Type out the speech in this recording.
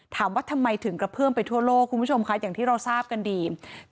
ถามว่าทำไมถึงกระเพื่อมไปทั่วโลกคุณผู้ชมคะอย่างที่เราทราบกันดี